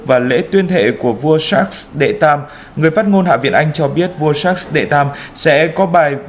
và lễ tuyên thệ của vua charles iii người phát ngôn hạ viện anh cho biết vua charles iii sẽ có bài